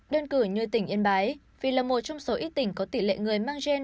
đơn cử như tỉnh yên bái vì là một trong số ít tỉnh có tỷ lệ người mang gen